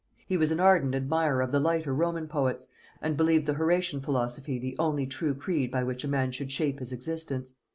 He was an ardent admirer of the lighter Roman poets, and believed the Horatian philosophy the only true creed by which a man should shape his existence.